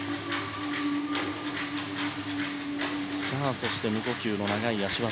そして無呼吸の長い脚技。